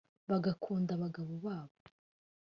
bagakunda abagabo babo